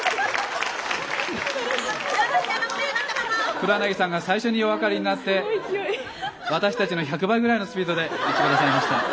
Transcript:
黒柳さんが最初にお分かりになって私たちの１００倍ぐらいのスピードで言って下さいました。